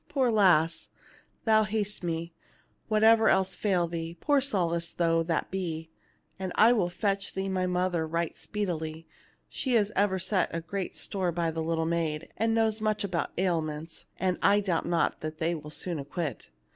poor lass ! Thou hast me, what ever else fail thee, poor solace though that be, and I will fetch thee my mother right speedily. She has ever set great store by the little maid, and knows much about ailments ; and I doubt not they will be soon acquit."